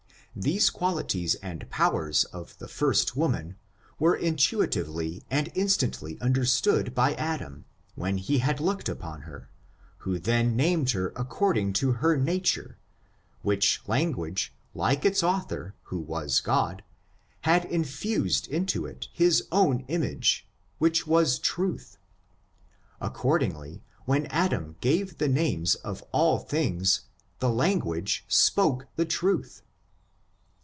These qualities and powers of the first woman were intuitively and instantly understood by Adam, when he had looked upon her, who then named her according to her nature, which language, like its author, who was God, had infused into it his own image, which was truth — accordingly, when Adam gave the names of all things, the language spoke the truth.